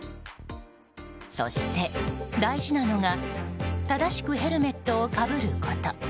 そして、大事なのが正しくヘルメットをかぶること。